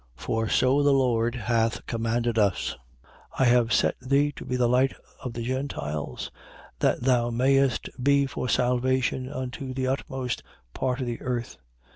13:47. For so the Lord hath commanded us: I have set thee to be the light of the Gentiles: that thou mayest be for salvation unto the utmost part of the earth.